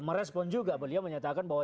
merespon juga beliau menyatakan bahwa